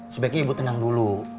sebaiknya ibu tenang dulu